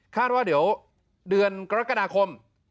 ว่าเดี๋ยวเดือนกรกฎาคม